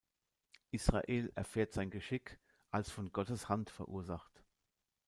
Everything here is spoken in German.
Israel erfährt sein Geschick als von Gottes Hand verursacht.